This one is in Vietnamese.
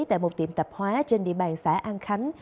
tại một tiệm tạp hóa trên địa bàn xã an khánh